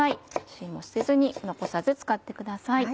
しんも捨てずに残さず使ってください。